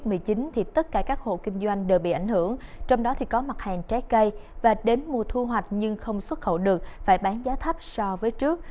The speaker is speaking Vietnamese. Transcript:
trong năm hai nghìn một mươi chín tất cả các hộ kinh doanh đều bị ảnh hưởng trong đó có mặt hàng trái cây và đến mùa thu hoạch nhưng không xuất khẩu được phải bán giá thấp so với trước